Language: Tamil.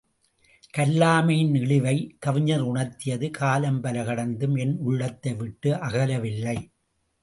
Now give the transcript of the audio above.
கல்லாமையின் இழிவைக் கவிஞர் உணர்த்தியது — காலம் பல கடந்தும் என் உள்ளத்தை விட்டு அகலவில்லை.